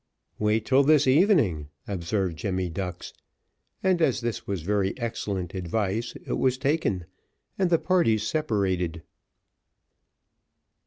"Wait till this evening," observed Jemmy Ducks; and, as this was very excellent advice, it was taken, and the parties separated.